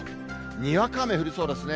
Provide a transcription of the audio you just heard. にわか雨降りそうですね。